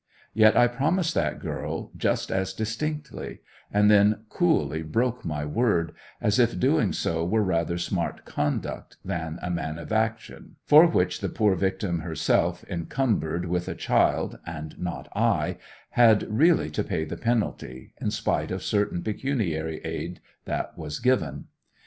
Yet I promised that girl just as distinctly; and then coolly broke my word, as if doing so were rather smart conduct than a mean action, for which the poor victim herself, encumbered with a child, and not I, had really to pay the penalty, in spite of certain pecuniary aid that was given.